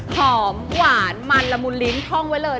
หอมหวานมันละมุนลิ้นท่องไว้เลย